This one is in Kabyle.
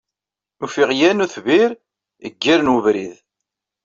Ufiɣ yan utbir g yir n ubrid.